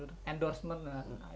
itu yang kita support di beberapa daerah